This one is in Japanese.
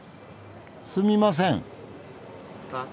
すみません。